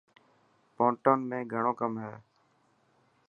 پونٽون ۾ گهڻو ڪم هي.